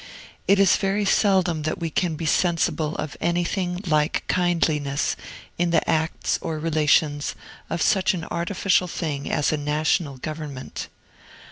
It is very seldom that we can be sensible of anything like kindliness in the acts or relations of such an artificial thing as a National Government.